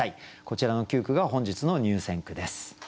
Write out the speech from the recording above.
こちらの９句が本日の入選句です。